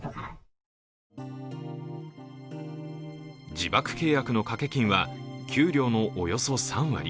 自爆契約の掛金は給料のおよそ３割。